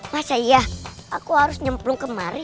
masa iya aku harus nyemplung kemari